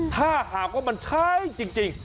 ถ้าหากว่ามันใช้จริง